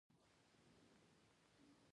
سیلاني ځایونه د فرهنګي فستیوالونو یوه برخه ده.